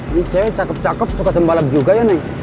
ini cewek cakep cakep suka sembalap juga ya neng